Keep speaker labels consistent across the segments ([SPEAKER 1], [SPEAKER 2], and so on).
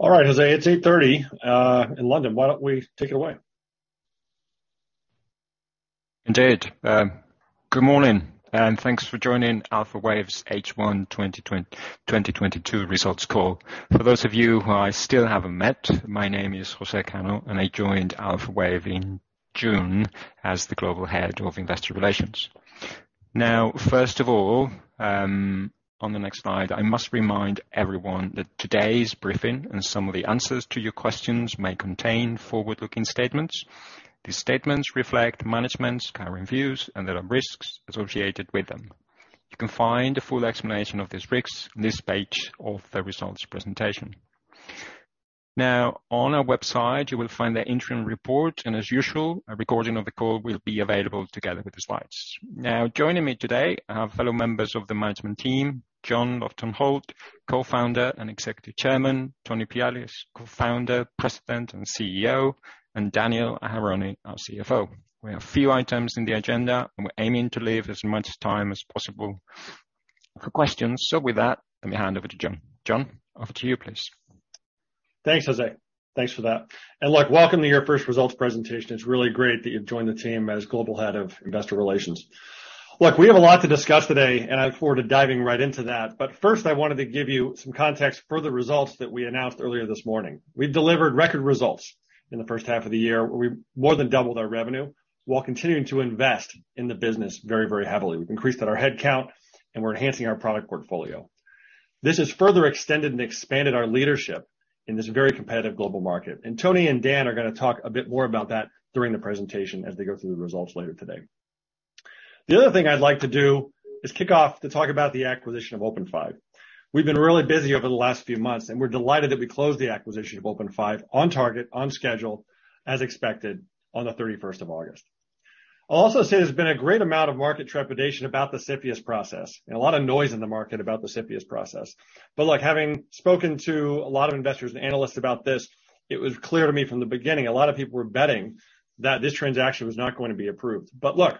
[SPEAKER 1] All right, Jose, it's 8:30 A.M. in London. Why don't we take it away?
[SPEAKER 2] Indeed. Good morning, and thanks for joining Alphawave's H1 2022 results call. For those of you who I still haven't met, my name is Jose Cano, and I joined Alphawave in June as the global Head of Investor Relations. Now, first of all, on the next slide, I must remind everyone that today's briefing and some of the answers to your questions may contain forward-looking statements. These statements reflect management's current views, and there are risks associated with them. You can find a full explanation of these risks on this page of the results presentation. Now, on our website, you will find the interim report, and as usual, a recording of the call will be available together with the slides. Now, joining me today are fellow members of the management team, John Lofton Holt, Co-founder and Executive Chairman, Tony Pialis, Co-Founder, President, and CEO, and Daniel Aharoni, our CFO. We have a few items in the agenda, and we're aiming to leave as much time as possible for questions. With that, let me hand over to John. John, over to you, please.
[SPEAKER 1] Thanks, Jose. Thanks for that. Look, welcome to your first results presentation. It's really great that you've joined the team as Global Head of Investor Relations. Look, we have a lot to discuss today, and I look forward to diving right into that. First, I wanted to give you some context for the results that we announced earlier this morning. We've delivered record results in the first half of the year, where we more than doubled our revenue while continuing to invest in the business very, very heavily. We've increased our headcount, and we're enhancing our product portfolio. This has further extended and expanded our leadership in this very competitive global market. Tony and Dan are gonna talk a bit more about that during the presentation as they go through the results later today. The other thing I'd like to do is kick off to talk about the acquisition of OpenFive. We've been really busy over the last few months, and we're delighted that we closed the acquisition of OpenFive on target, on schedule, as expected on the 31st of August. I'll also say there's been a great amount of market trepidation about the CFIUS process and a lot of noise in the market about the CFIUS process. Look, having spoken to a lot of investors and analysts about this, it was clear to me from the beginning, a lot of people were betting that this transaction was not going to be approved. Look,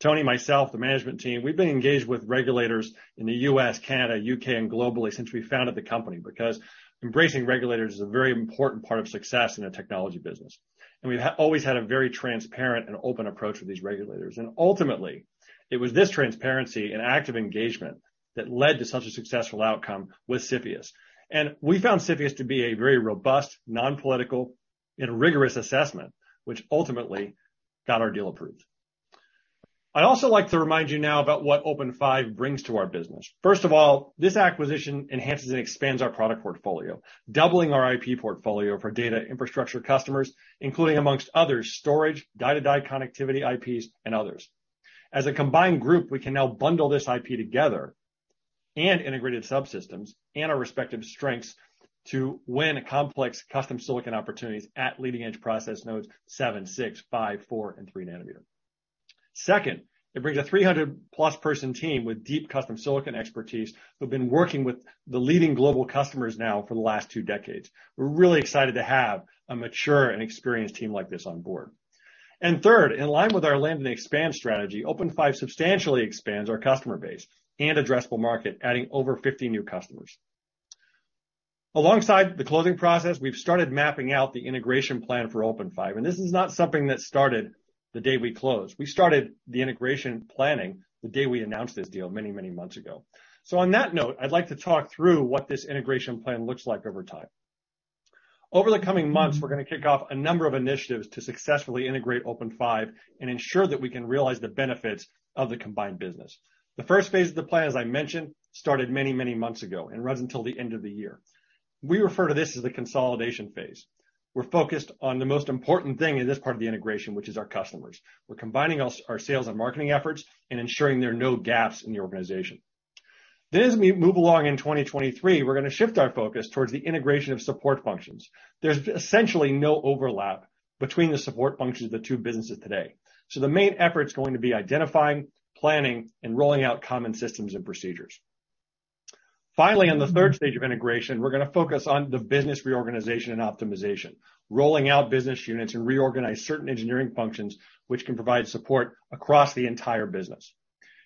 [SPEAKER 1] Tony, myself, the management team, we've been engaged with regulators in the U.S., Canada, U.K., and globally since we founded the company because embracing regulators is a very important part of success in a technology business. We've always had a very transparent and open approach with these regulators. Ultimately, it was this transparency and active engagement that led to such a successful outcome with CFIUS. We found CFIUS to be a very robust, non-political, and rigorous assessment, which ultimately got our deal approved. I'd also like to remind you now about what OpenFive brings to our business. First of all, this acquisition enhances and expands our product portfolio, doubling our IP portfolio for data infrastructure customers, including, among others, storage, die-to-die connectivity, IPs, and others. As a combined group, we can now bundle this IP together and integrated subsystems and our respective strengths to win complex custom silicon opportunities at leading-edge process nodes 7, 6, 5, 4, and 3 nanometer. Second, it brings a 300-plus-person team with deep custom silicon expertise, who've been working with the leading global customers now for the last two decades. We're really excited to have a mature and experienced team like this on board. Third, in line with our land and expand strategy, OpenFive substantially expands our customer base and addressable market, adding over 50 new customers. Alongside the closing process, we've started mapping out the integration plan for OpenFive, and this is not something that started the day we closed. We started the integration planning the day we announced this deal many, many months ago. On that note, I'd like to talk through what this integration plan looks like over time. Over the coming months, we're gonna kick off a number of initiatives to successfully integrate OpenFive and ensure that we can realize the benefits of the combined business. The first phase of the plan, as I mentioned, started many, many months ago and runs until the end of the year. We refer to this as the consolidation phase. We're focused on the most important thing in this part of the integration, which is our customers. We're combining our sales and marketing efforts and ensuring there are no gaps in the organization. As we move along in 2023, we're gonna shift our focus towards the integration of support functions. There's essentially no overlap between the support functions of the two businesses today. The main effort's going to be identifying, planning, and rolling out common systems and procedures. Finally, on the third stage of integration, we're gonna focus on the business reorganization and optimization, rolling out business units, and reorganize certain engineering functions which can provide support across the entire business.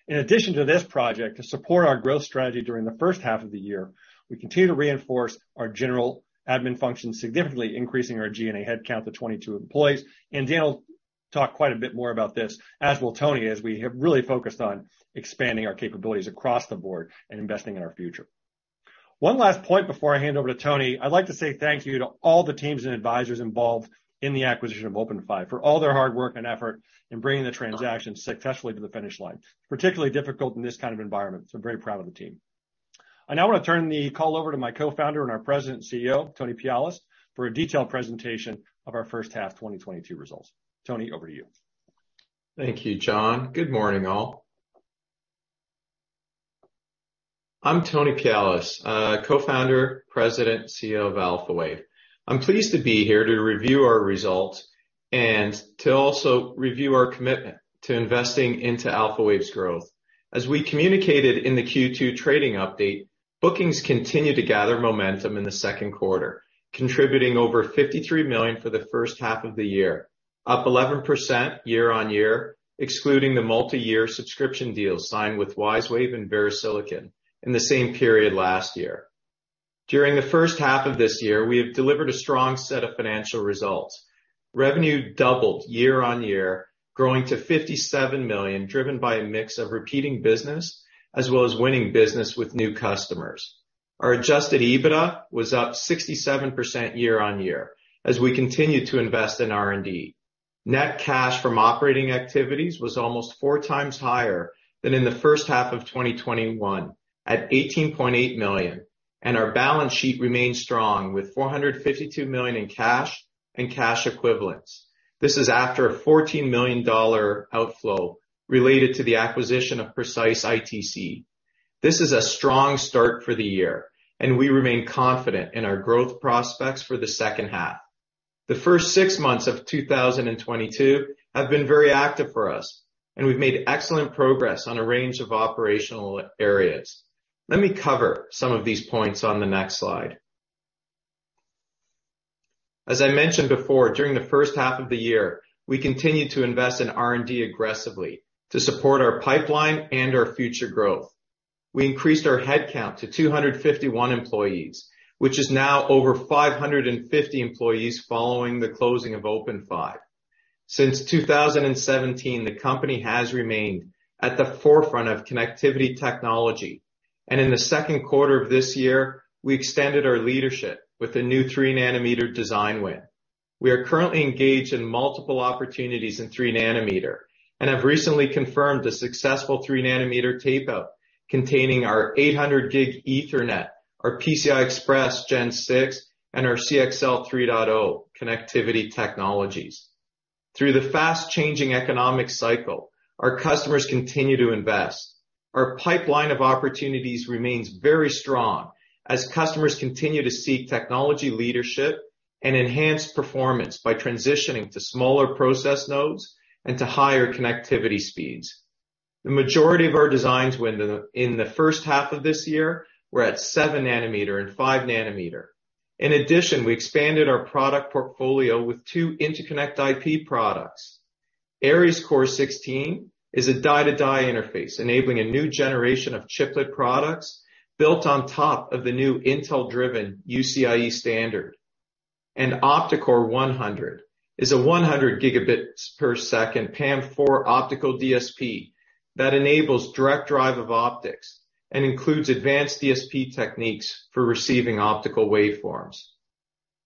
[SPEAKER 1] In addition to this project, to support our growth strategy during the first half of the year, we continue to reinforce our general admin function, significantly increasing our G&A headcount to 22 employees. Dan will talk quite a bit more about this, as will Tony, as we have really focused on expanding our capabilities across the board and investing in our future. One last point before I hand over to Tony, I'd like to say thank you to all the teams and advisors involved in the acquisition of OpenFive for all their hard work and effort in bringing the transaction successfully to the finish line. Particularly difficult in this kind of environment, so I'm very proud of the team. I now want to turn the call over to my Co-Founder and our President and CEO, Tony Pialis, for a detailed presentation of our first half 2022 results. Tony, over to you.
[SPEAKER 3] Thank you, John. Good morning, all. I'm Tony Pialis, Co-Founder, President, and CEO of Alphawave. I'm pleased to be here to review our results and to also review our commitment to investing into Alphawave's growth. As we communicated in the Q2 trading update, bookings continued to gather momentum in the second quarter, contributing over $53 million for the first half of the year. Up 11% year-on-year, excluding the multi-year subscription deal signed with WiseWave and VeriSilicon in the same period last year. During the first half of this year, we have delivered a strong set of financial results. Revenue doubled year-on-year, growing to $57 million, driven by a mix of repeating business as well as winning business with new customers. Our adjusted EBITDA was up 67% year-on-year as we continue to invest in R&D. Net cash from operating activities was almost four times higher than in the first half of 2021 at $18.8 million, and our balance sheet remains strong with $452 million in cash and cash equivalents. This is after a $14 million outflow related to the acquisition of Precise-ITC. This is a strong start for the year, and we remain confident in our growth prospects for the second half. The first six months of 2022 have been very active for us and we've made excellent progress on a range of operational areas. Let me cover some of these points on the next slide. As I mentioned before, during the first half of the year, we continued to invest in R&D aggressively to support our pipeline and our future growth. We increased our headcount to 251 employees, which is now over 550 employees following the closing of OpenFive. Since 2017, the company has remained at the forefront of connectivity technology, and in the second quarter of this year, we extended our leadership with a new 3-nanometer design win. We are currently engaged in multiple opportunities in 3-nanometer and have recently confirmed a successful 3-nanometer tapeout containing our 800G Ethernet, our PCIe Gen6, and our CXL 3.0 connectivity technologies. Through the fast changing economic cycle, our customers continue to invest. Our pipeline of opportunities remains very strong as customers continue to seek technology leadership and enhance performance by transitioning to smaller process nodes and to higher connectivity speeds. The majority of our design wins in the first half of this year were at 7-nanometer and 5-nanometer. In addition, we expanded our product portfolio with two interconnect IP products. AresCORE16 is a die-to-die interface enabling a new generation of chiplet products built on top of the new Intel-driven UCIe standard. OptiCORE100 is a 100 gigabits per second PAM4 optical DSP that enables direct drive of optics and includes advanced DSP techniques for receiving optical waveforms.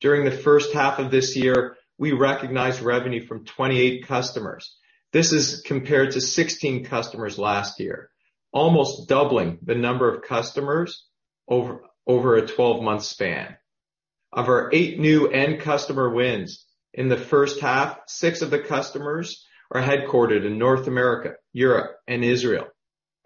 [SPEAKER 3] During the first half of this year, we recognized revenue from 28 customers. This is compared to 16 customers last year, almost doubling the number of customers over a 12-month span. Of our eight new end customer wins in the first half, six of the customers are headquartered in North America, Europe, and Israel.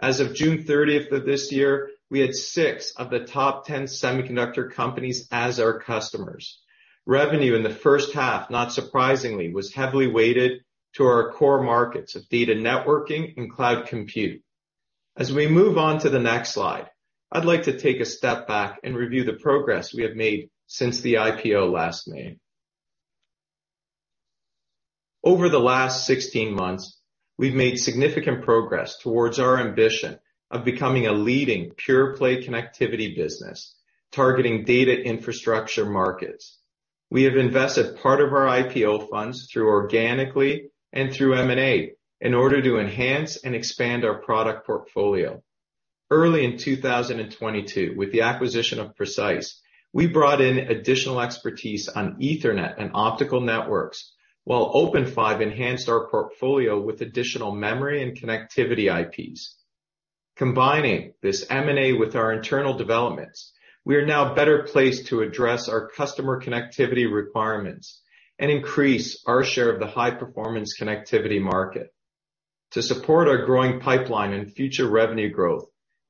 [SPEAKER 3] As of June 30 of this year, we had six of the top 10 semiconductor companies as our customers. Revenue in the first half, not surprisingly, was heavily weighted to our core markets of data networking and cloud compute. As we move on to the next slide, I'd like to take a step back and review the progress we have made since the IPO last May. Over the last 16 months, we've made significant progress towards our ambition of becoming a leading pure-play connectivity business, targeting data infrastructure markets. We have invested part of our IPO funds through organically and through M&A in order to enhance and expand our product portfolio. Early in 2022, with the acquisition of Precise-ITC, we brought in additional expertise on Ethernet and optical networks, while OpenFive enhanced our portfolio with additional memory and connectivity IPs. Combining this M&A with our internal developments, we are now better placed to address our customer connectivity requirements and increase our share of the high-performance connectivity market. To support our growing pipeline and future revenue growth,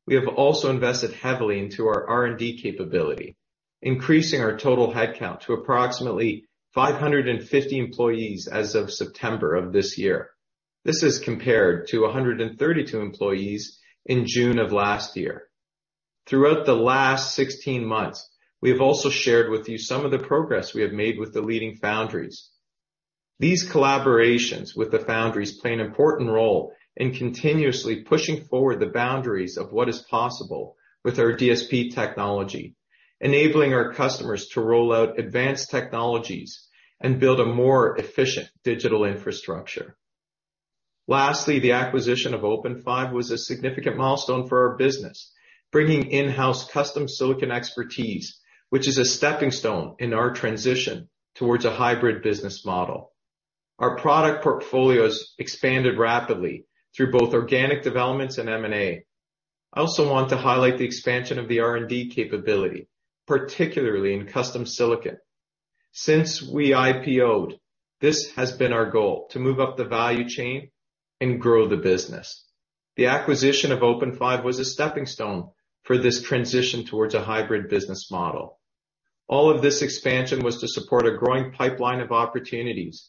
[SPEAKER 3] we have also invested heavily into our R&D capability, increasing our total headcount to approximately 550 employees as of September of this year. This is compared to 132 employees in June of last year. Throughout the last 16 months, we have also shared with you some of the progress we have made with the leading foundries. These collaborations with the foundries play an important role in continuously pushing forward the boundaries of what is possible with our DSP technology, enabling our customers to roll out advanced technologies and build a more efficient digital infrastructure. Lastly, the acquisition of OpenFive was a significant milestone for our business, bringing in-house custom silicon expertise, which is a stepping stone in our transition towards a hybrid business model. Our product portfolio has expanded rapidly through both organic developments and M&A. I also want to highlight the expansion of the R&D capability, particularly in custom silicon. Since we IPO'd, this has been our goal, to move up the value chain and grow the business. The acquisition of OpenFive was a stepping stone for this transition towards a hybrid business model. All of this expansion was to support a growing pipeline of opportunities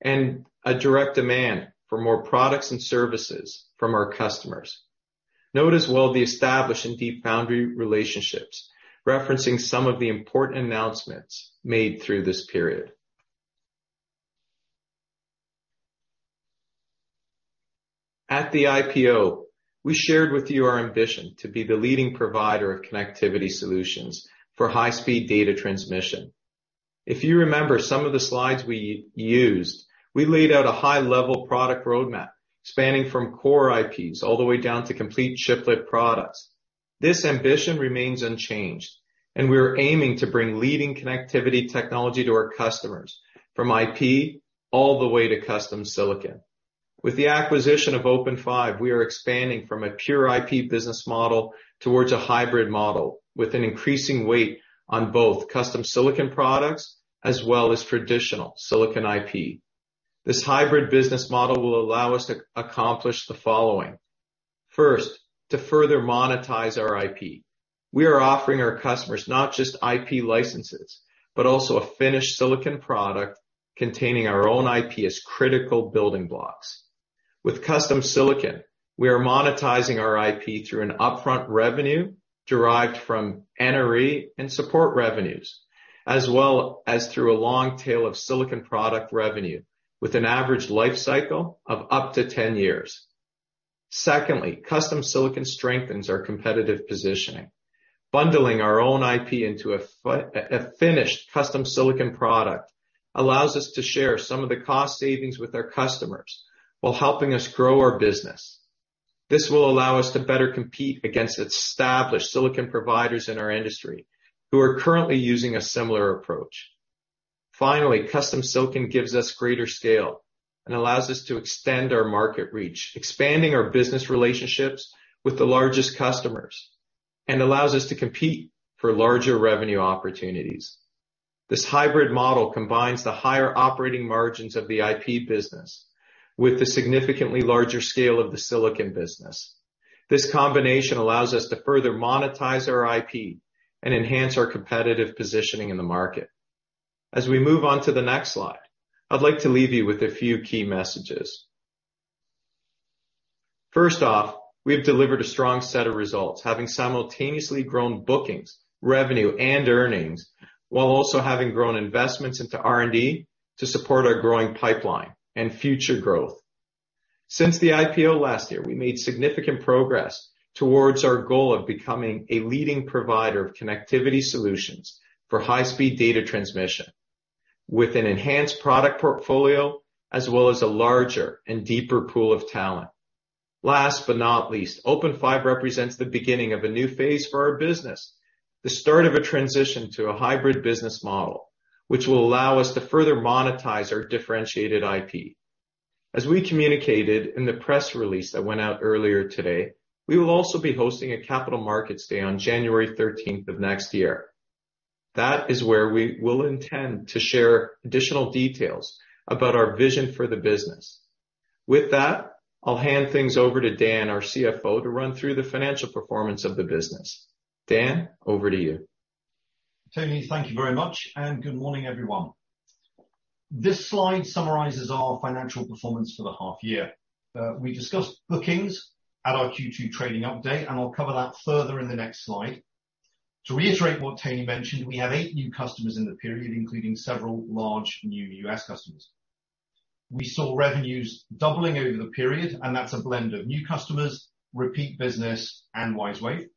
[SPEAKER 3] and a direct demand for more products and services from our customers. Note as well the established and deep foundry relationships, referencing some of the important announcements made through this period. At the IPO, we shared with you our ambition to be the leading provider of connectivity solutions for high-speed data transmission. If you remember some of the slides we used, we laid out a high-level product roadmap, expanding from core IPs all the way down to complete chiplet products. This ambition remains unchanged, and we are aiming to bring leading connectivity technology to our customers from IP all the way to custom silicon. With the acquisition of OpenFive, we are expanding from a pure IP business model towards a hybrid model with an increasing weight on both custom silicon products as well as traditional silicon IP. This hybrid business model will allow us to accomplish the following. First, to further monetize our IP. We are offering our customers not just IP licenses, but also a finished silicon product containing our own IP as critical building blocks. With custom silicon, we are monetizing our IP through an upfront revenue derived from NRE and support revenues, as well as through a long tail of silicon product revenue with an average life cycle of up to 10 years. Secondly, custom silicon strengthens our competitive positioning. Bundling our own IP into a finished custom silicon product allows us to share some of the cost savings with our customers while helping us grow our business. This will allow us to better compete against established silicon providers in our industry who are currently using a similar approach. Finally, custom silicon gives us greater scale and allows us to extend our market reach, expanding our business relationships with the largest customers and allows us to compete for larger revenue opportunities. This hybrid model combines the higher operating margins of the IP business with the significantly larger scale of the silicon business. This combination allows us to further monetize our IP and enhance our competitive positioning in the market. As we move on to the next slide, I'd like to leave you with a few key messages. First off, we have delivered a strong set of results, having simultaneously grown bookings, revenue and earnings, while also having grown investments into R&D to support our growing pipeline and future growth. Since the IPO last year, we made significant progress towards our goal of becoming a leading provider of connectivity solutions for high-speed data transmission with an enhanced product portfolio as well as a larger and deeper pool of talent. Last but not least, OpenFive represents the beginning of a new phase for our business, the start of a transition to a hybrid business model, which will allow us to further monetize our differentiated IP. As we communicated in the press release that went out earlier today, we will also be hosting a Capital Markets Day on January 13 of next year. That is where we will intend to share additional details about our vision for the business. With that, I'll hand things over to Dan, our CFO, to run through the financial performance of the business. Dan, over to you.
[SPEAKER 4] Tony, thank you very much, and good morning, everyone. This slide summarizes our financial performance for the half year. We discussed bookings at our Q2 trading update, and I'll cover that further in the next slide. To reiterate what Tony mentioned, we had eight new customers in the period, including several large new U.S. customers. We saw revenues doubling over the period, and that's a blend of new customers, repeat business and WiseWave.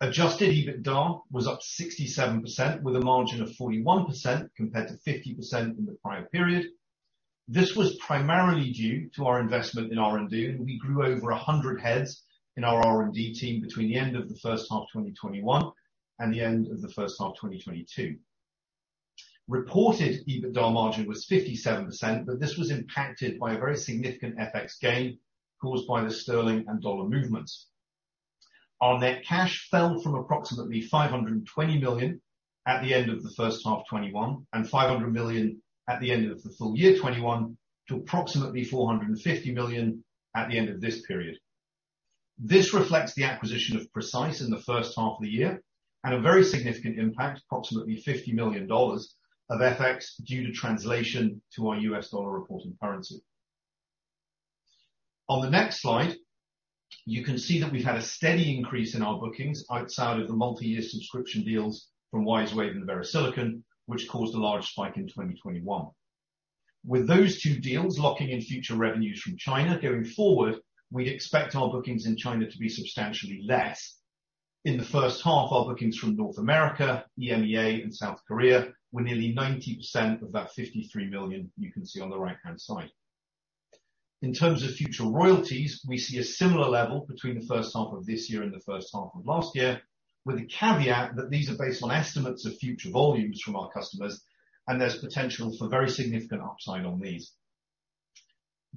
[SPEAKER 4] Adjusted EBITDA was up 67% with a margin of 41% compared to 50% in the prior period. This was primarily due to our investment in R&D, and we grew over 100 heads in our R&D team between the end of the first half of 2021 and the end of the first half of 2022. Reported EBITDA margin was 57%, but this was impacted by a very significant FX gain caused by the sterling and dollar movements. Our net cash fell from approximately $520 million at the end of the first half of 2021 and $500 million at the end of the full year 2021 to approximately $450 million at the end of this period. This reflects the acquisition of Precise-ITC in the first half of the year and a very significant impact, approximately $50 million of FX due to translation to our U.S. dollar reporting currency. On the next slide, you can see that we've had a steady increase in our bookings outside of the multi-year subscription deals from WiseWave and VeriSilicon, which caused a large spike in 2021. With those two deals locking in future revenues from China, going forward, we expect our bookings in China to be substantially less. In the first half, our bookings from North America, EMEA and South Korea were nearly 90% of that $53 million you can see on the right-hand side. In terms of future royalties, we see a similar level between the first half of this year and the first half of last year, with the caveat that these are based on estimates of future volumes from our customers, and there's potential for very significant upside on these.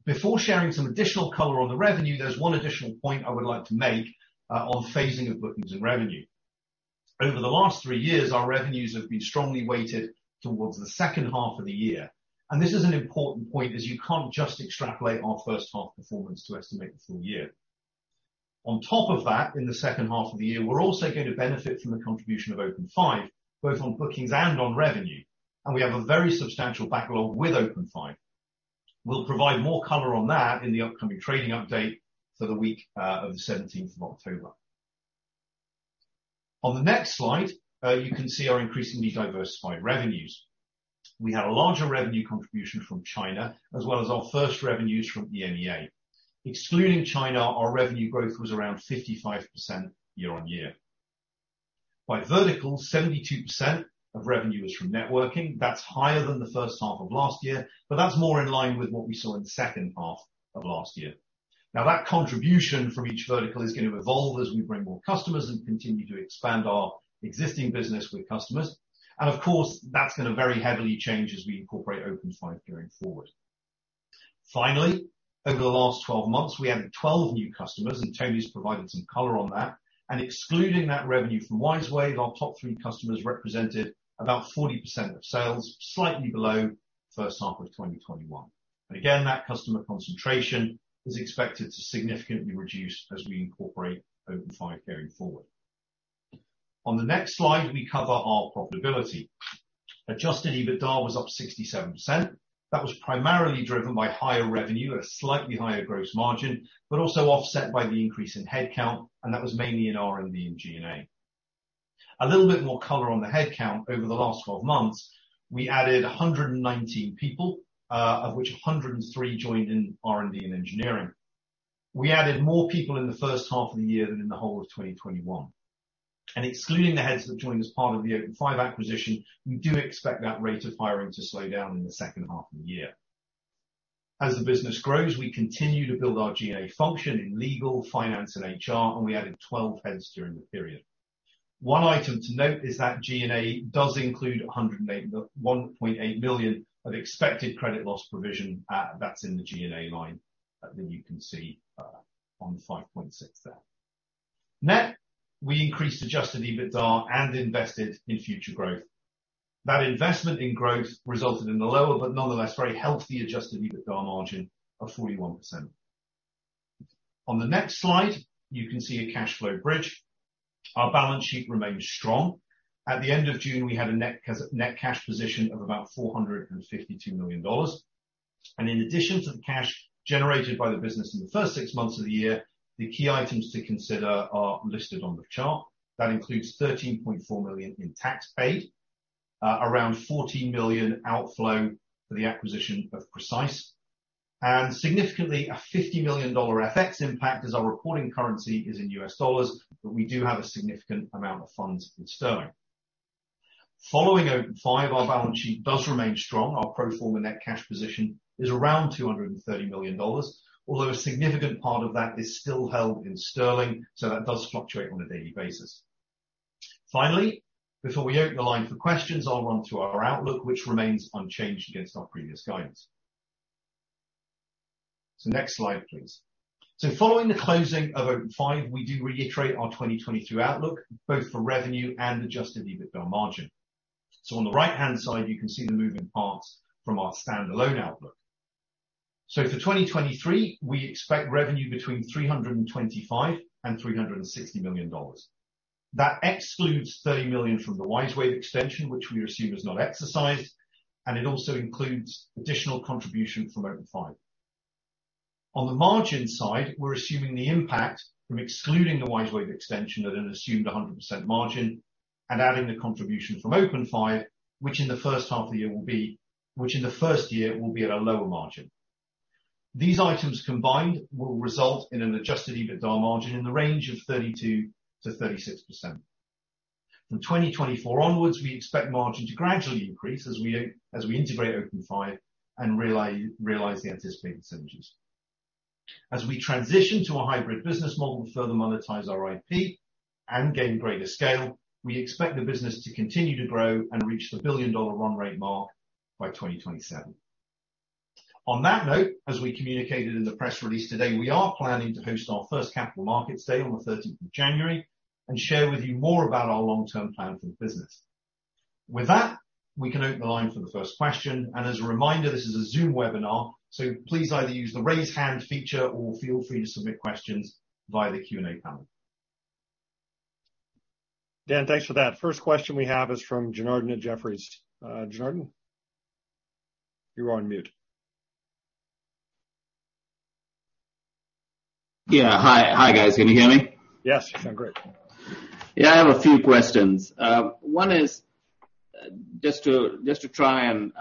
[SPEAKER 4] Before sharing some additional color on the revenue, there's one additional point I would like to make, on phasing of bookings and revenue. Over the last 3 years, our revenues have been strongly weighted towards the second half of the year, and this is an important point as you can't just extrapolate our first half performance to estimate the full year. On top of that, in the second half of the year, we're also going to benefit from the contribution of OpenFive, both on bookings and on revenue, and we have a very substantial backlog with OpenFive. We'll provide more color on that in the upcoming trading update for the week of the seventeenth of October. On the next slide, you can see our increasingly diversified revenues. We had a larger revenue contribution from China as well as our first revenues from EMEA. Excluding China, our revenue growth was around 55% year-on-year. By vertical, 72% of revenue is from networking. That's higher than the first half of last year, but that's more in line with what we saw in the second half of last year. Now that contribution from each vertical is gonna evolve as we bring more customers and continue to expand our existing business with customers. Of course, that's gonna very heavily change as we incorporate OpenFive going forward. Finally, over the last 12 months, we added 12 new customers, and Tony's provided some color on that. Excluding that revenue from WiseWave, our top three customers represented about 40% of sales, slightly below first half of 2021. Again, that customer concentration is expected to significantly reduce as we incorporate OpenFive going forward. On the next slide, we cover our profitability. Adjusted EBITDA was up 67%. That was primarily driven by higher revenue at a slightly higher gross margin, but also offset by the increase in headcount, and that was mainly in R&D and G&A. A little bit more color on the headcount. Over the last 12 months, we added 119 people, of which 103 joined in R&D and engineering. We added more people in the first half of the year than in the whole of 2021. Excluding the heads that joined as part of the OpenFive acquisition, we do expect that rate of hiring to slow down in the second half of the year. As the business grows, we continue to build our G&A function in legal, finance and HR, and we added 12 heads during the period. One item to note is that G&A does include $1.8 million of expected credit loss provision. That's in the G&A line that you can see on the $5.6 million there. Net, we increased adjusted EBITDA and invested in future growth. That investment in growth resulted in the lower, but nonetheless very healthy adjusted EBITDA margin of 41%. On the next slide, you can see a cash flow bridge. Our balance sheet remains strong. At the end of June, we had a net cash position of about $452 million. In addition to the cash generated by the business in the first six months of the year, the key items to consider are listed on the chart. That includes $13.4 million in tax paid, around $40 million outflow for the acquisition of Precise-ITC, and significantly, a $50 million FX impact as our reporting currency is in US dollars, but we do have a significant amount of funds in sterling. Following OpenFive, our balance sheet does remain strong. Our pro forma net cash position is around $230 million, although a significant part of that is still held in sterling, so that does fluctuate on a daily basis. Finally, before we open the line for questions, I'll run through our outlook, which remains unchanged against our previous guidance. Next slide, please. Following the closing of OpenFive, we do reiterate our 2022 outlook, both for revenue and adjusted EBITDA margin. On the right-hand side, you can see the moving parts from our standalone outlook. For 2023, we expect revenue between $325 million and $360 million. That excludes $30 million from the WiseWave extension, which we assume is not exercised, and it also includes additional contribution from OpenFive. On the margin side, we're assuming the impact from excluding the WiseWave extension at an assumed 100% margin and adding the contribution from OpenFive, which in the first year will be at a lower margin. These items combined will result in an adjusted EBITDA margin in the range of 32%-36%. From 2024 onwards, we expect margin to gradually increase as we integrate OpenFive and realize the anticipated synergies. As we transition to a hybrid business model to further monetize our IP and gain greater scale, we expect the business to continue to grow and reach the billion-dollar run rate mark by 2027. On that note, as we communicated in the press release today, we are planning to host our first Capital Markets Day on January 13 and share with you more about our long-term plan for the business. With that, we can open the line for the first question. As a reminder, this is a Zoom webinar, so please either use the Raise Hand feature or feel free to submit questions via the Q&A panel.
[SPEAKER 2] Dan, thanks for that. First question we have is from Janardan at Jefferies. Janardan? You're on mute.
[SPEAKER 5] Yeah. Hi. Hi, guys. Can you hear me?
[SPEAKER 2] Yes. You sound great.
[SPEAKER 5] Yeah. I have a few questions. One is just to try and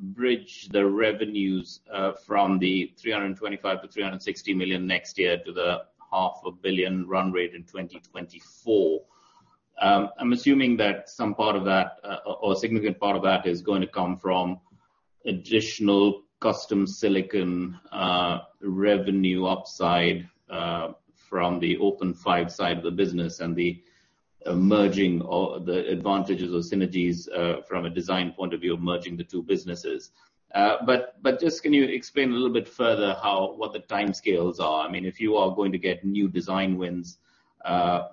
[SPEAKER 5] bridge the revenues from the $325 million-$360 million next year to the $0.5 billion run rate in 2024. I'm assuming that some part of that or a significant part of that is going to come from additional custom silicon revenue upside from the OpenFive side of the business and the emerging of the advantages or synergies from a design point of view of merging the two businesses. But just can you explain a little bit further how what the timescales are? I mean, if you are going to get new design wins,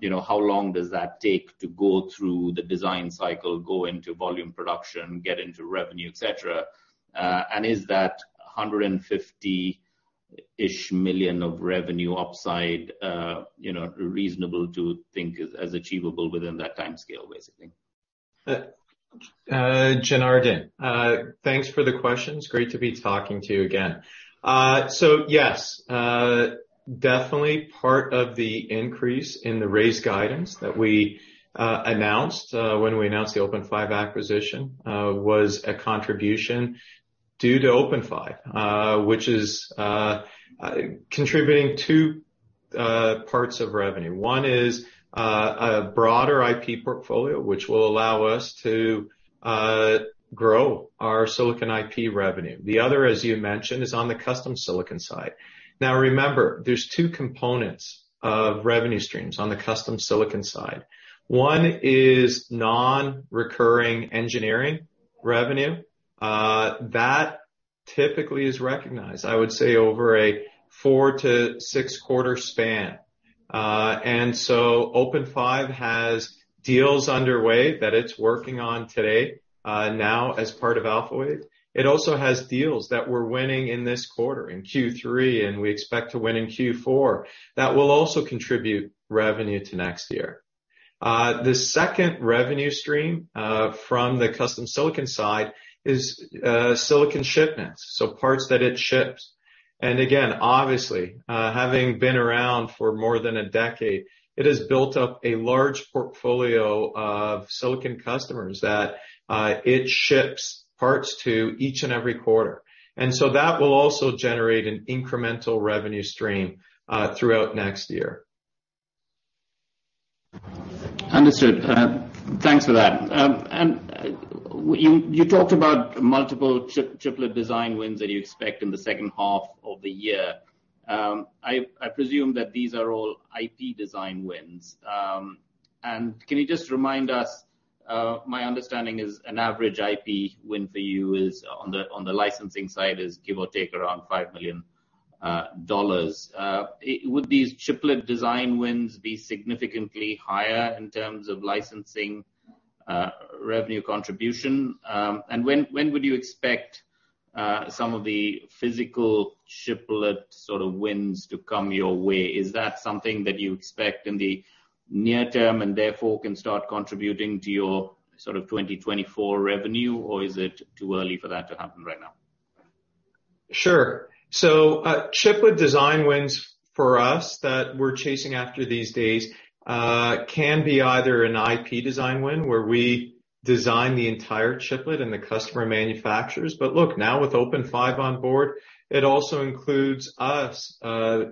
[SPEAKER 5] you know, how long does that take to go through the design cycle, go into volume production, get into revenue, et cetera? Is that $150-ish million of revenue upside, you know, reasonable to think as achievable within that timescale, basically?
[SPEAKER 3] Janardan, thanks for the questions. Great to be talking to you again. Yes, definitely part of the increase in the raised guidance that we announced when we announced the OpenFive acquisition was a contribution due to OpenFive. Which is contributing two parts of revenue. One is a broader IP portfolio, which will allow us to grow our silicon IP revenue. The other, as you mentioned, is on the custom silicon side. Now remember, there's two components of revenue streams on the custom silicon side. One is non-recurring engineering revenue that typically is recognized, I would say, over a four-to six-quarter span. OpenFive has deals underway that it's working on today, now as part of Alphawave. It also has deals that we're winning in this quarter, in Q3, and we expect to win in Q4, that will also contribute revenue to next year. The second revenue stream from the custom silicon side is silicon shipments, so parts that it ships. Again, obviously, having been around for more than a decade, it has built up a large portfolio of silicon customers that it ships parts to each and every quarter. That will also generate an incremental revenue stream throughout next year.
[SPEAKER 5] Understood. Thanks for that. You talked about multiple chiplet design wins that you expect in the second half of the year. I presume that these are all IP design wins. Can you just remind us, my understanding is an average IP win for you is on the licensing side, is give or take around $5 million. Would these chiplet design wins be significantly higher in terms of licensing revenue contribution? When would you expect some of the physical chiplet sort of wins to come your way? Is that something that you expect in the near term and therefore can start contributing to your sort of 2024 revenue, or is it too early for that to happen right now?
[SPEAKER 3] Sure. Chiplet design wins for us that we're chasing after these days can be either an IP design win, where we design the entire chiplet and the customer manufactures. Look, now with OpenFive on board, it also includes us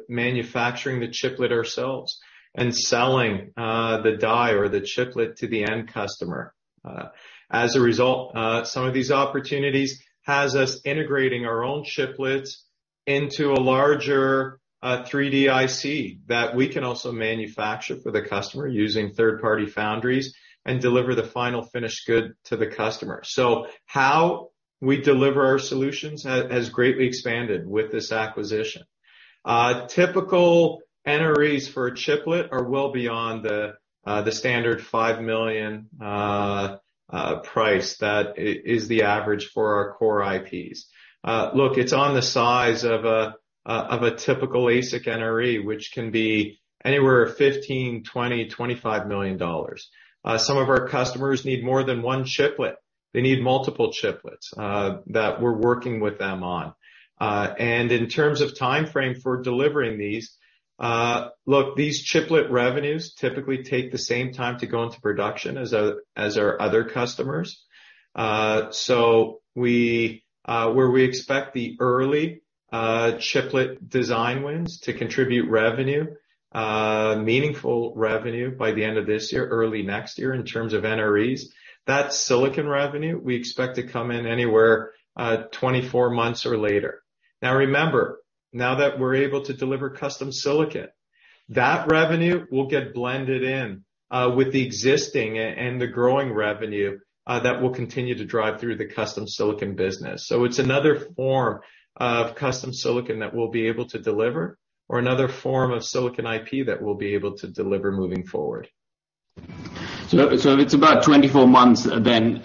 [SPEAKER 3] manufacturing the chiplet ourselves and selling the die or the chiplet to the end customer. As a result, some of these opportunities has us integrating our own chiplets into a larger 3-D IC that we can also manufacture for the customer using third-party foundries and deliver the final finished good to the customer. How we deliver our solutions has greatly expanded with this acquisition. Typical NREs for a chiplet are well beyond the standard $5 million price. That is the average for our core IPs. Look, it's on the size of a typical ASIC NRE, which can be anywhere $15 million, $20 million, $25 million. Some of our customers need more than one chiplet. They need multiple chiplets that we're working with them on. In terms of timeframe for delivering these, look, these chiplet revenues typically take the same time to go into production as our other customers. We expect the early chiplet design wins to contribute revenue, meaningful revenue by the end of this year or early next year. In terms of NREs, that silicon revenue we expect to come in anywhere 24 months or later. Now, remember, now that we're able to deliver custom silicon, that revenue will get blended in with the existing and the growing revenue that we'll continue to drive through the custom silicon business. It's another form of custom silicon that we'll be able to deliver or another form of silicon IP that we'll be able to deliver moving forward.
[SPEAKER 5] It's about 24 months, then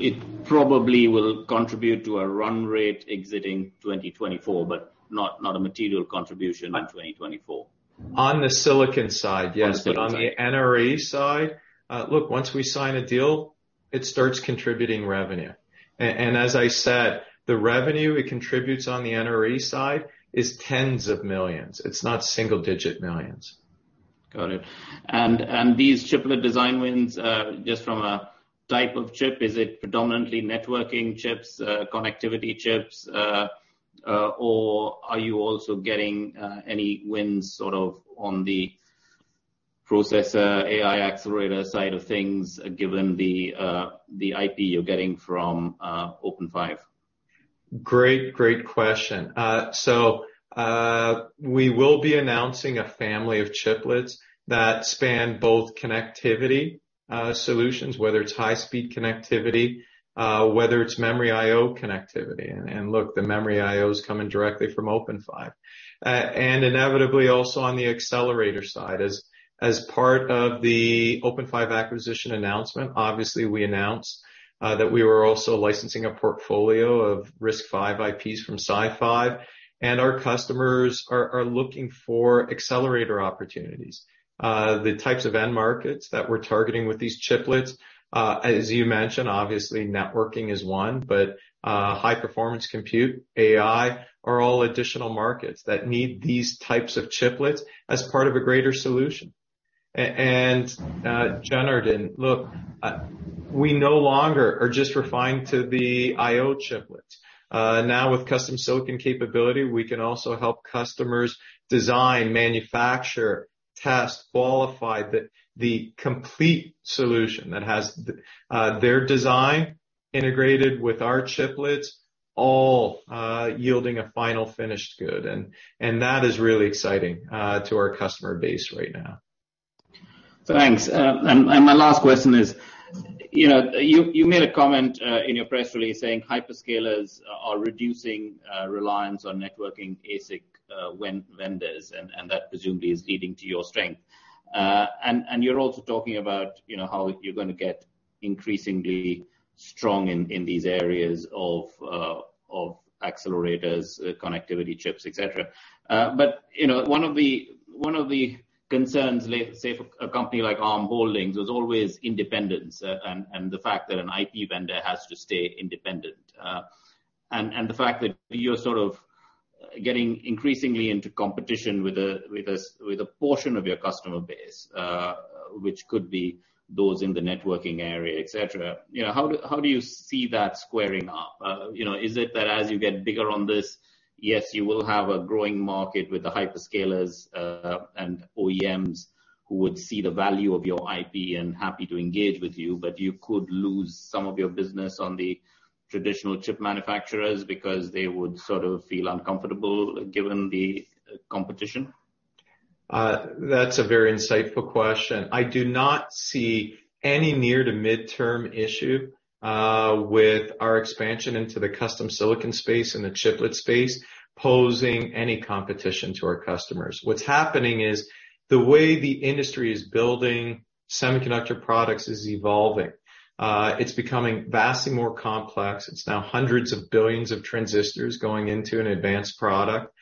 [SPEAKER 5] it probably will contribute to a run rate exiting 2024, but not a material contribution by 2024.
[SPEAKER 3] On the silicon side, yes.
[SPEAKER 5] On silicon side.
[SPEAKER 3] On the NRE side, look, once we sign a deal, it starts contributing revenue. As I said, the revenue it contributes on the NRE side is $10s of millions. It's not single-digit millions.
[SPEAKER 5] Got it. These chiplet design wins, just from a type of chip, is it predominantly networking chips, connectivity chips? Are you also getting any wins sort of on the processor, AI accelerator side of things, given the IP you're getting from OpenFive?
[SPEAKER 3] Great question. We will be announcing a family of chiplets that span both connectivity solutions, whether it's high speed connectivity, whether it's memory IO connectivity. Look, the memory IO is coming directly from OpenFive. Inevitably also on the accelerator side. As part of the OpenFive acquisition announcement, obviously we announced that we were also licensing a portfolio of RISC-V IPs from SiFive, and our customers are looking for accelerator opportunities. The types of end markets that we're targeting with these chiplets, as you mentioned, obviously networking is one, but high performance compute, AI, are all additional markets that need these types of chiplets as part of a greater solution. Janardan, look, we no longer are just confined to the IO chiplets. Now with custom silicon capability, we can also help customers design, manufacture, test, qualify the complete solution that has their design integrated with our chiplets, all yielding a final finished good. That is really exciting to our customer base right now.
[SPEAKER 5] Thanks. My last question is, you know, you made a comment in your press release saying hyperscalers are reducing reliance on networking ASIC vendors, and that presumably is leading to your strength. You're also talking about, you know, how you're gonna get increasingly strong in these areas of accelerators, connectivity chips, et cetera. You know, one of the concerns, let's say for a company like Arm Holdings, was always independence and the fact that an IP vendor has to stay independent. The fact that you're sort of getting increasingly into competition with a portion of your customer base, which could be those in the networking area, et cetera. You know, how do you see that squaring up? you know, is it that as you get bigger on this, yes, you will have a growing market with the hyperscalers, and OEMs who would see the value of your IP and happy to engage with you, but you could lose some of your business with the traditional chip manufacturers because they would sort of feel uncomfortable given the competition?
[SPEAKER 3] That's a very insightful question. I do not see any near-to mid-term issue with our expansion into the custom silicon space and the chiplet space posing any competition to our customers. What's happening is the way the industry is building semiconductor products is evolving. It's becoming vastly more complex. It's now hundreds of billions of transistors going into an advanced product.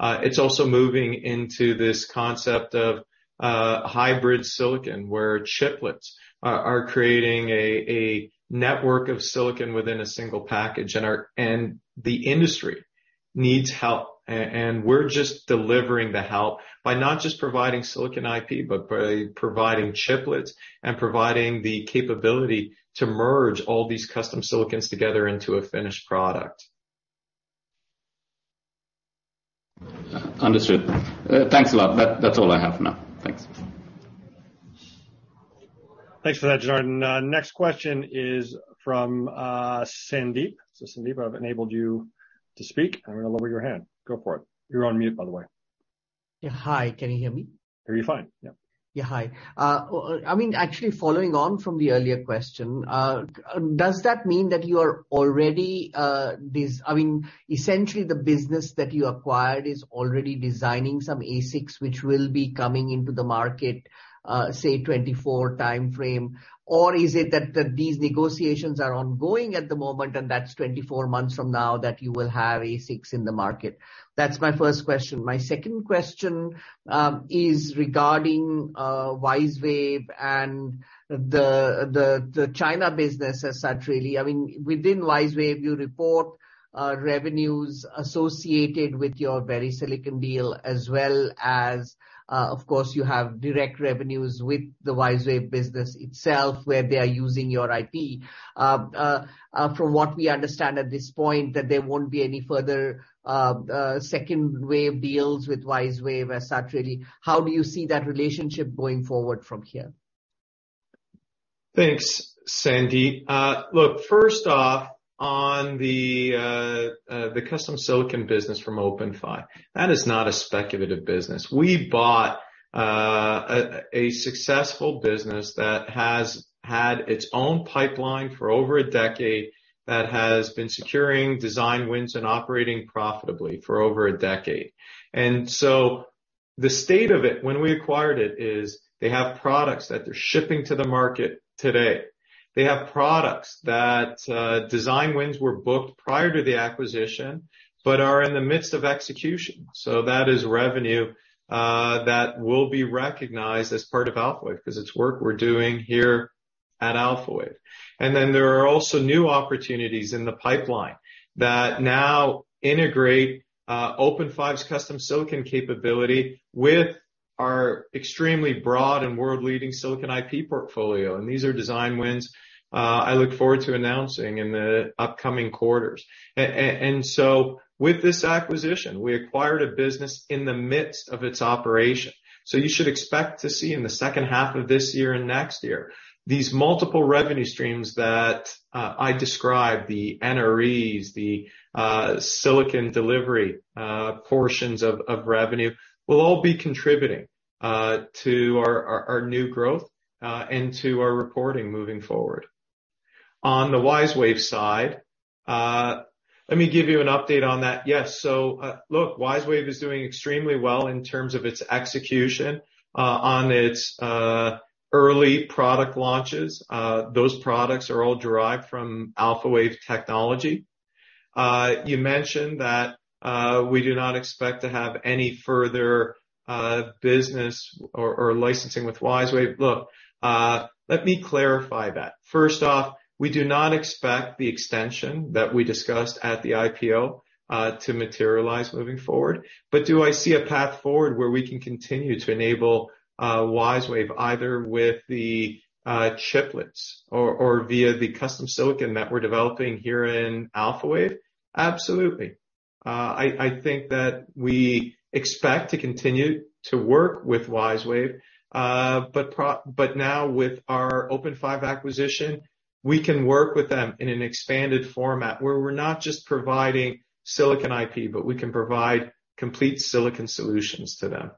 [SPEAKER 3] It's also moving into this concept of hybrid silicon, where chiplets are creating a network of silicon within a single package, and the industry needs help. We're just delivering the help by not just providing silicon IP, but by providing chiplets and providing the capability to merge all these custom silicons together into a finished product.
[SPEAKER 5] Understood. Thanks a lot. That's all I have now. Thanks.
[SPEAKER 2] Thanks for that, Janardan. Next question is from Sandeep. Sandeep, I've enabled you to speak. I'm gonna lower your hand. Go for it. You're on mute, by the way.
[SPEAKER 6] Yeah. Hi, can you hear me?
[SPEAKER 2] hear you fine. Yeah.
[SPEAKER 6] Yeah. Hi. I mean, actually following on from the earlier question, does that mean that you are already, I mean, essentially the business that you acquired is already designing some ASICs which will be coming into the market, say 2024 timeframe? Or is it that these negotiations are ongoing at the moment and that's 24 months from now that you will have ASICs in the market? That's my first question. My second question is regarding WiseWave and the China business as such, really. I mean, within WiseWave, you report revenues associated with your VeriSilicon deal, as well as, of course, you have direct revenues with the WiseWave business itself, where they are using your IP. From what we understand at this point, that there won't be any further second wave deals with WiseWave as such, really. How do you see that relationship going forward from here?
[SPEAKER 3] Thanks, Sandeep. Look, first off, on the custom silicon business from OpenFive. That is not a speculative business. We bought a successful business that has had its own pipeline for over a decade, that has been securing design wins and operating profitably for over a decade. The state of it when we acquired it is they have products that they're shipping to the market today. They have products that design wins were booked prior to the acquisition, but are in the midst of execution. That is revenue that will be recognized as part of Alphawave, 'cause it's work we're doing here at Alphawave. Then there are also new opportunities in the pipeline that now integrate OpenFive's custom silicon capability with our extremely broad and world-leading silicon IP portfolio. These are design wins I look forward to announcing in the upcoming quarters. With this acquisition, we acquired a business in the midst of its operation. You should expect to see in the second half of this year and next year these multiple revenue streams that I described, the NREs, the silicon delivery portions of revenue, will all be contributing to our new growth and to our reporting moving forward. On the WiseWave side, let me give you an update on that. Yes. Look, WiseWave is doing extremely well in terms of its execution on its early product launches. Those products are all derived from Alphawave technology. You mentioned that we do not expect to have any further business or licensing with WiseWave. Look, let me clarify that. First off, we do not expect the extension that we discussed at the IPO to materialize moving forward. Do I see a path forward where we can continue to enable WiseWave either with the chiplets or via the custom silicon that we're developing here in Alphawave? Absolutely. I think that we expect to continue to work with WiseWave. But now with our OpenFive acquisition, we can work with them in an expanded format where we're not just providing silicon IP, but we can provide complete silicon solutions to them.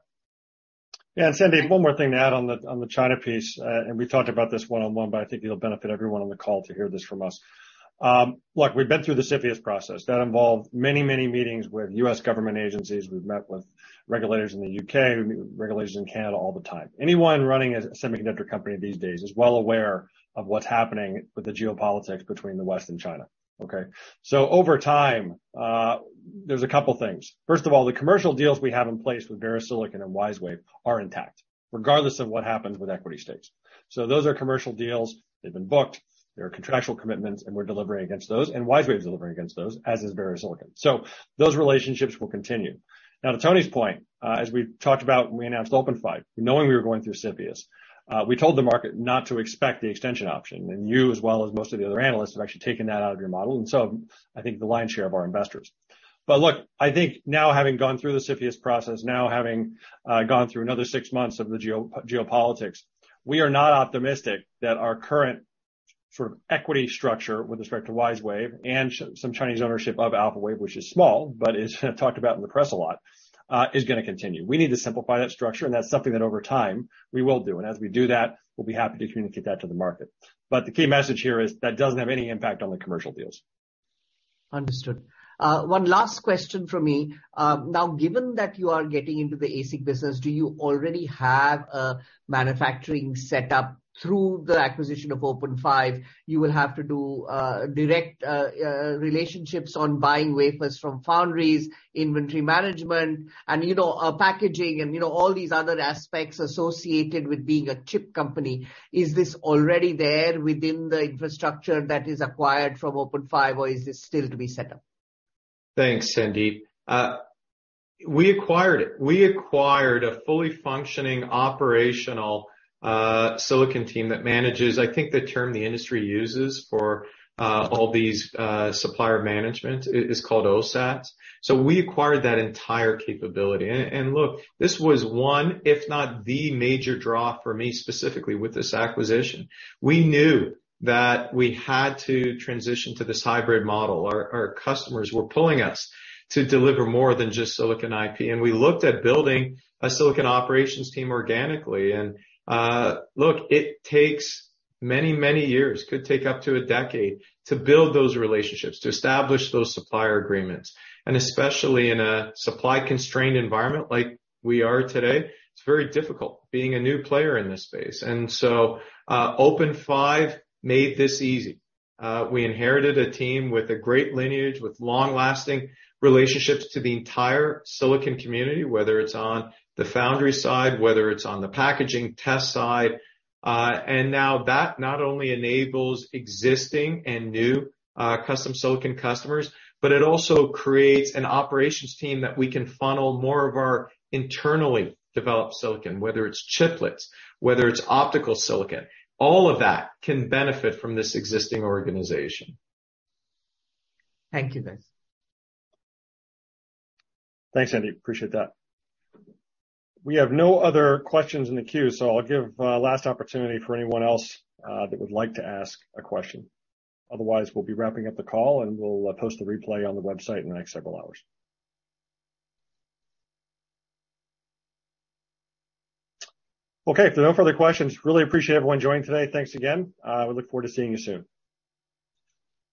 [SPEAKER 1] Yeah, Sandeep, one more thing to add on the China piece, and we've talked about this one-on-one, but I think it'll benefit everyone on the call to hear this from us. Look, we've been through the CFIUS process. That involved many, many meetings with U.S. government agencies. We've met with regulators in the U.K., we meet with regulators in Canada all the time. Anyone running a semiconductor company these days is well aware of what's happening with the geopolitics between the West and China, okay? Over time, there's a couple things. First of all, the commercial deals we have in place with VeriSilicon and WiseWave are intact, regardless of what happens with equity stakes. Those are commercial deals, they've been booked, they're contractual commitments, and we're delivering against those, and WiseWave's delivering against those, as is VeriSilicon. Those relationships will continue. Now, to Tony's point, as we talked about when we announced OpenFive, knowing we were going through CFIUS, we told the market not to expect the extension option, and you, as well as most of the other analysts, have actually taken that out of your model, and so I think the lion's share of our investors. Look, I think now having gone through the CFIUS process, now having gone through another six months of geopolitics, we are not optimistic that our current sort of equity structure with respect to WiseWave and some Chinese ownership of Alphawave, which is small, but is talked about in the press a lot, is gonna continue. We need to simplify that structure, and that's something that over time we will do, and as we do that, we'll be happy to communicate that to the market. The key message here is that doesn't have any impact on the commercial deals.
[SPEAKER 6] Understood. One last question from me. Now, given that you are getting into the ASIC business, do you already have a manufacturing setup through the acquisition of OpenFive? You will have to do direct relationships on buying wafers from foundries, inventory management, and, you know, packaging and, you know, all these other aspects associated with being a chip company. Is this already there within the infrastructure that is acquired from OpenFive, or is it still to be set up?
[SPEAKER 3] Thanks, Sandeep. We acquired it. We acquired a fully functioning operational silicon team that manages, I think the term the industry uses for all these supplier management is called OSAT. We acquired that entire capability. Look, this was one, if not the major draw for me specifically with this acquisition. We knew that we had to transition to this hybrid model. Our customers were pulling us to deliver more than just silicon IP. We looked at building a silicon operations team organically. Look, it takes many years, could take up to a decade, to build those relationships, to establish those supplier agreements. Especially in a supply-constrained environment like we are today, it's very difficult being a new player in this space. OpenFive made this easy. We inherited a team with a great lineage, with long-lasting relationships to the entire silicon community, whether it's on the foundry side, whether it's on the packaging test side. Now that not only enables existing and new custom silicon customers, but it also creates an operations team that we can funnel more of our internally developed silicon, whether it's chiplets, whether it's optical silicon. All of that can benefit from this existing organization.
[SPEAKER 6] Thank you both.
[SPEAKER 1] Thanks, Sandeep. Appreciate that. We have no other questions in the queue, so I'll give a last opportunity for anyone else that would like to ask a question. Otherwise, we'll be wrapping up the call, and we'll post the replay on the website in the next several hours. Okay, if there are no further questions, really appreciate everyone joining today. Thanks again. We look forward to seeing you soon.